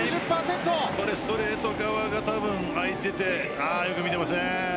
ストレート側が空いていてよく見ています。